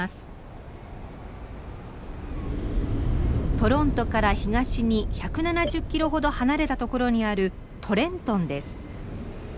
トロントから東に１７０キロほど離れたところにあるトレントンです。